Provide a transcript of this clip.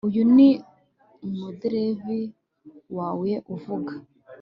Uyu ni umuderevu wawe avuga